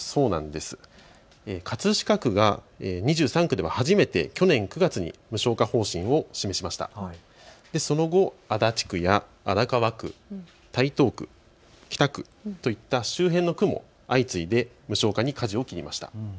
葛飾区が２３区では初めて去年９月に無償化方針を示しましたが、その後、足立区や荒川区、台東区、北区といった周辺の区も相次いで無償化にかじを切りました。